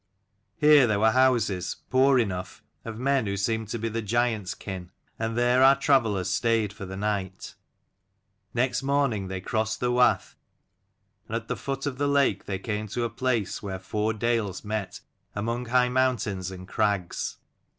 Here there were houses, poor enough, of men who seemed to be the giant's kin, and there our travellers stayed for the night. Next morning they crossed the wath, and at the foot of the lake they came to a place where four dales met among high mountains 53 and crags.